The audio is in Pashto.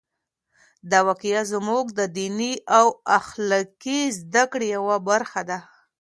دا واقعه زموږ د دیني او اخلاقي زده کړو یوه برخه ده.